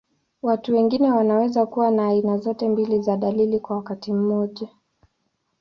Watu wengine wanaweza kuwa na aina zote mbili za dalili kwa wakati mmoja.